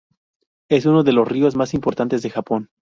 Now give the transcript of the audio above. Es uno de los ríos más importantes de Japón.